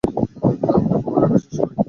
আমি low profile রাখার চেষ্টা করি।